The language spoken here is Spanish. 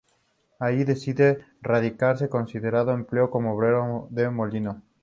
Allí decide radicarse, consiguiendo empleo como obrero de molino.